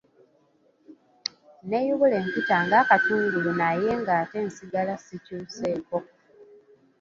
Neeyubula enkuta ng'akatungulu naye ng'ate nsigala sikyuseeko.